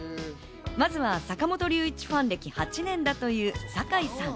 まずは坂本龍一ファン歴８年だという酒井さん。